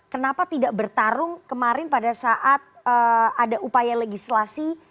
kenapa tidak bertarung kemarin pada saat ada upaya legislasi